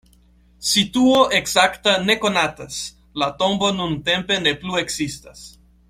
Situo ekzakta ne konatas, la tombo nuntempe ne plu ekzistas.